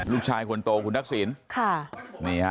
ลูกชายคนโตคุณนักศิลป์